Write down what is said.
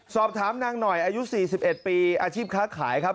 สอบถามนางหน่อยอายุ๔๑ปีอาชีพค้าขายครับ